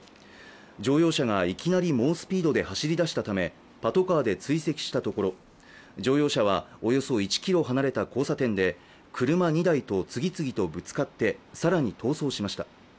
乗用車がいきなり猛スピードで走りだしたためパトカーで追跡したところ乗用車はおよそ１ｋｍ離れた交差点で車２台と次々とぶつかって更に逃走しました。